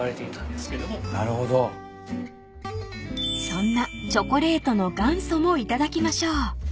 ［そんなチョコレートの元祖も頂きましょう］